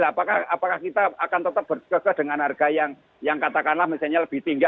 apakah kita akan tetap berkese dengan harga yang katakanlah misalnya lebih tinggi